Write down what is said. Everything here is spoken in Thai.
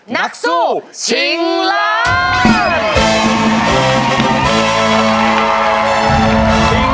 นักสู้ชิงล้าน